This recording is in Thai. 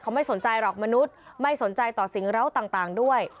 เขาไม่สนใจหรอกมนุษย์ไม่สนใจต่อสิ่งเหล้าต่างด้วย